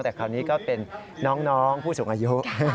แต่คราวนี้ก็เป็นน้องผู้สูงอายุ